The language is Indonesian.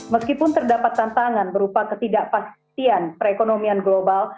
meskipun terdapat tantangan berupa ketidakpastian perekonomian global